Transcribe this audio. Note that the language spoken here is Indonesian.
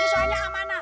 justru hanya amanah